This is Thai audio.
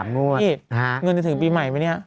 งวดนี่เงินจะถึงปีใหม่ไหมเนี่ย